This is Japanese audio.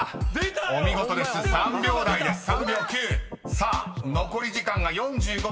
さあ残り時間が４５秒４３］